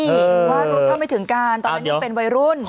ว่าถ้าไม่ถึงการตอนนี้เป็นวัยรุ่น